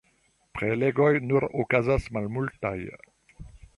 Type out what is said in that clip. Prelegoj nur okazas malmultaj.